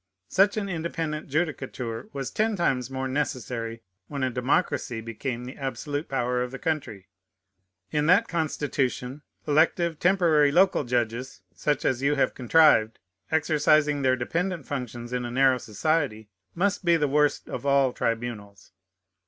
Such an independent judicature was ten times more necessary when a democracy became the absolute power of the country. In that Constitution, elective, temporary, local judges, such as you have contrived, exercising their dependent functions in a narrow society, must be the worst of all tribunals.